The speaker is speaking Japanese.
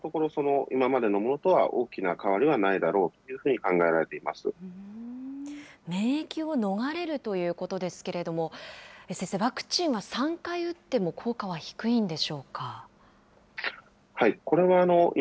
重症度に関しては、今のところ、今までのものとは大きな変わりはないだろうというふうに考えられ免疫を逃れるということですけれども、先生、ワクチンは３回打っても効果は低いんでしょうか。